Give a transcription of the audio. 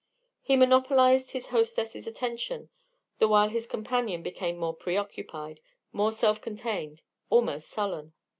He monopolized his hostess' attention, the while his companion became more preoccupied, more self contained, almost sullen.